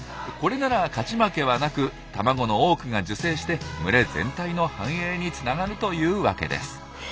これなら勝ち負けはなく卵の多くが受精して群れ全体の繁栄につながるというわけです。